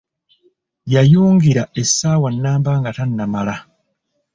Yayungira essaawa nnamba nga tanamala!